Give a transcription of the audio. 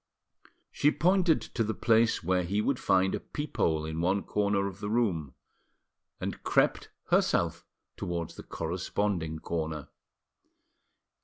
She pointed to the place where he would find a peep hole in one corner of the room, and crept herself towards the corresponding corner.